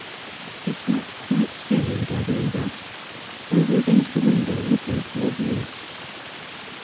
... She sat quite still in the gathering dusk, over against the window looking toward the east.